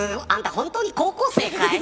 本当に高校生かい。